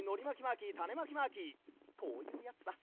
こういうやつさ。